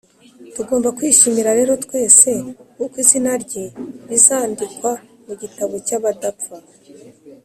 tugomba kwishima rero twese kuko izina rye rizandikwa mu gitabo cy’abadapfa,